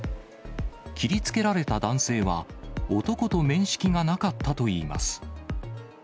切りつけられた男性は、男と面識がなかったといいます。